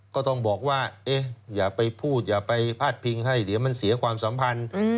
ก็ต้องบอกว่าอย่าไปพูดอย่าไปพาดพิงให้เดี๋ยวมันเสียความสัมพันธ์